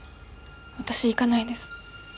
私行かないです。